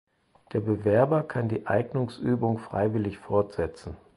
Der Bewerber kann die Eignungsübung freiwillig fortsetzen.